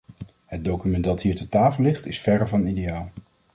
Het document dat hier ter tafel ligt, is verre van ideaal.